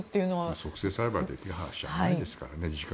促成栽培できる話じゃないですから。